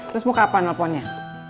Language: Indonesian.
terus mau kapan teleponnya